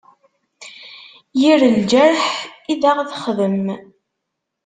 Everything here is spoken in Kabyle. Yir leǧreḥ i d aɣ-texdem.